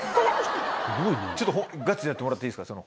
ちょっとガチでやってもらっていいですか？